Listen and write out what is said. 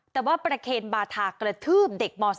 แต่ว่าประเคนบาธากระทืบเด็กม๓